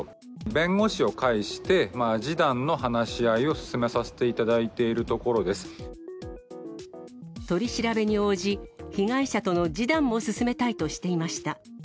弁護士を介して示談の話し合いを進めさせていただいているところ取り調べに応じ、被害者との示談も進めたいとしていました。